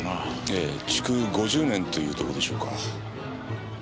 ええ築５０年というとこでしょうか。